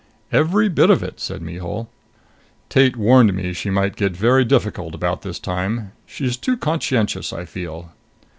"Every bit of it," said Mihul. "Tate warned me she might get very difficult about this time. She's too conscientious, I feel."